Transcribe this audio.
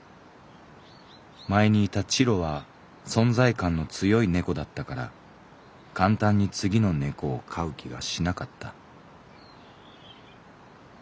前にいたチロは存在感の強いネコだったから簡単に次のネコを飼う気がしなかった」。